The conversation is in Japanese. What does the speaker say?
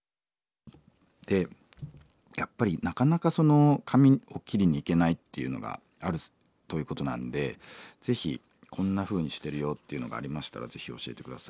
でやっぱりなかなか髪を切りに行けないっていうのがあるということなんでぜひこんなふうにしてるよっていうのがありましたらぜひ教えて下さい。